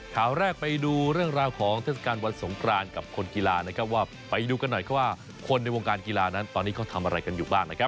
ข่าวแรกไปดูเรื่องราวของเทศกาลวันสงครานกับคนกีฬานะครับว่าไปดูกันหน่อยครับว่าคนในวงการกีฬานั้นตอนนี้เขาทำอะไรกันอยู่บ้างนะครับ